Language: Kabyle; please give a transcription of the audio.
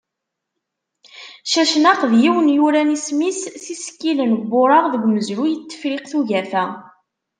Cacnaq, d yiwen yuran isem-is s yisekkilen n ureɣ deg umezruy n Tefriqt n Ugafa.